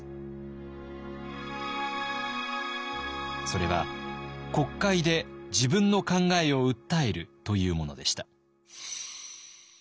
それは国会で自分の考えを訴えるというものでした。